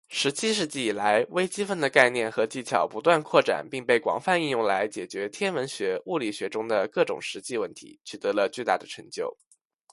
十七世纪以来，微积分的概念和技巧不断扩展并被广泛应用来解决天文学、物理学中的各种实际问题，取得了巨大的成就。